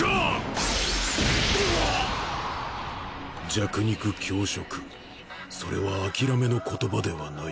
弱肉強食それは諦めの言葉ではない。